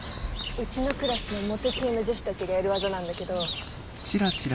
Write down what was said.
うちのクラスのモテ系の女子たちがやる技なんだけど。